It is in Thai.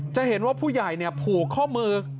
จะเห็นว่าผู้ใหญ่ผูกข้อมือ